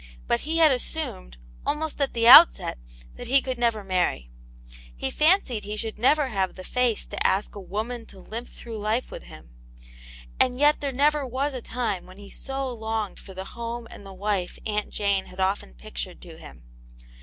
But he had assumed, almost at the outset, that he never could marry. He fancied he should never have the face to ask a woman to limp through life with him : and yet there never was a time when he so longed for the home and the wife Aunt Jane had often pictured to him.